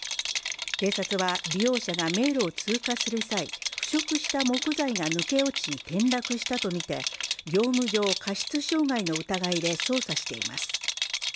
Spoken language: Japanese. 警察は利用者が迷路を通過する際腐食した木材が抜け落ち転落したとみて業務上過失傷害の疑いで捜査しています